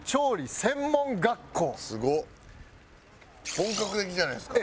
本格的じゃないですか。